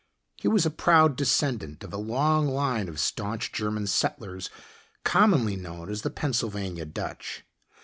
He was a proud descendant of a long line of staunch German settlers commonly known as the Pennsylvania Dutch.